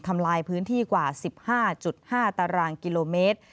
ทำลายพื้นที่กว่า๑๕๕ตารางกิโลเมตร